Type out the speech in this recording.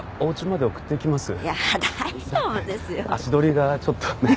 だって足取りがちょっとねえ？